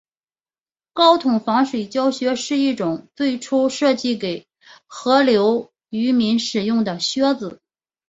高筒防水胶靴是一种最初设计给河流渔民使用的靴子。